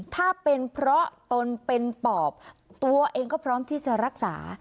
ถ้าเป็นเพราะตนเป็นปอบตัวเองก็พร้อมที่จะรักษา